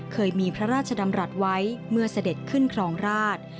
เคยมีพระราชดำรัฐไว้เมื่อเสด็จขึ้นครองราช